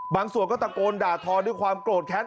บางส่วนก็ตะโกนด่าทอด้วยความโกรธแค้น